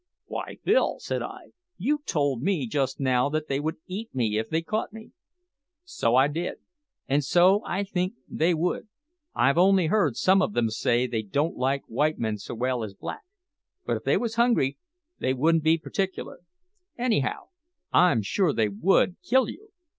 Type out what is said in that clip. "Why, Bill," said I, "you told me just now that they would eat me if they caught me!" "So I did, and so I think they would. I've only heard some o' them say they don't like white men so well as black; but if they was hungry they wouldn't be particular. Anyhow, I'm sure they would kill you.